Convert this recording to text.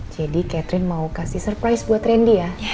jadi catherine mau kasih surprise buat rendy ya